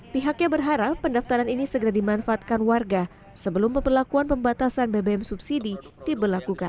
pihaknya berharap pendaftaran ini segera dimanfaatkan warga sebelum peperlakuan pembatasan bbm subsidi diberlakukan